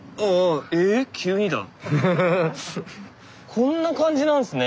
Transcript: こんな感じなんすね。